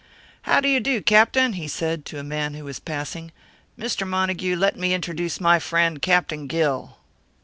"How do you do, Captain?" he said, to a man who was passing. "Mr. Montague, let me introduce my friend Captain Gill."